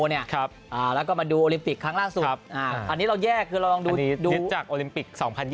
แล้วก็มาดูโอลิมปิกครั้งล่าสุดอันนี้เราแยกคือเราลองดูคลิปจากโอลิมปิก๒๐๒๐